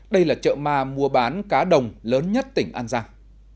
đây là chợ ma mua bán cá đồng lớn nhất tỉnh an giang